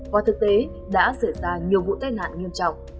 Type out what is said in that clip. và thực tế đã xảy ra nhiều vụ tai nạn nghiêm trọng